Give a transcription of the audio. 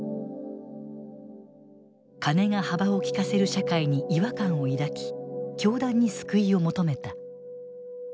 金が幅を利かせる社会に違和感を抱き教団に救いを求めた。